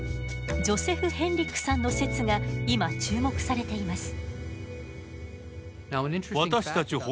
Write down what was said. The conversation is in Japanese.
ジョセフ・ヘンリックさんの説が今注目されています。